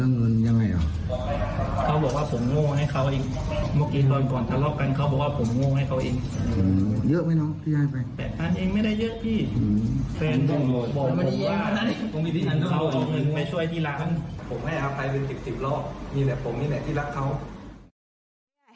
มีไหนผมมีไหนที่รักเขา